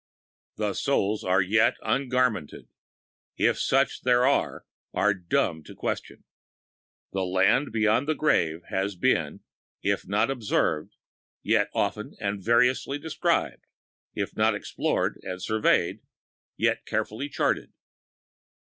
"The souls as yet ungarmented," if such there are, are dumb to question. The Land beyond the Grave has been, if not observed, yet often and variously described: if not explored and surveyed, yet carefully charted.